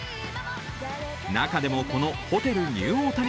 中でも、このホテルニューオータニ